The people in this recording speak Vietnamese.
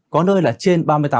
có nơi là trên ba mươi tám độ